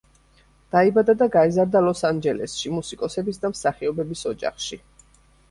დაიბადა და გაიზარდა ლოს-ანჯელესში, მუსიკოსების და მსახიობების ოჯახში.